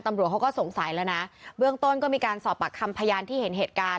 ตำรวจเขาก็สงสัยแล้วนะเบื้องต้นก็มีการสอบปากคำพยานที่เห็นเหตุการณ์